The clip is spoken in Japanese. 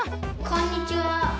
こんにちは。